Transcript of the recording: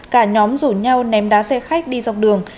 cả nhóm rủ nhau ném đá sông